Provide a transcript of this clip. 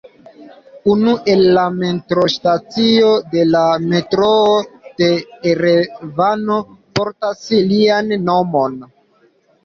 Unu el la metrostacioj de la metroo de Erevano portas lian nomon.